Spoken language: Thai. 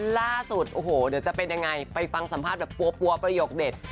ล่าสุดโอ้โหเดี๋ยวจะเป็นยังไงไปฟังสัมภาษณ์แบบปั๊วประโยคเด็ด